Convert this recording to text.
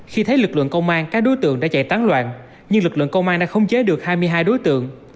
khi thấy lực lượng công an các đối tượng đã chạy tán loạn nhưng lực lượng công an đã khống chế được hai mươi hai đối tượng